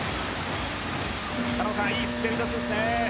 狩野さん、いい滑り出しですね。